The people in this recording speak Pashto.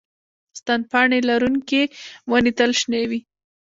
ستن پاڼې لرونکې ونې تل شنې وي